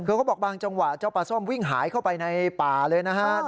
คือเขาบอกบางจังหวะเจ้าปลาส้มวิ่งหายเข้าไปในป่าเลยนะฮะ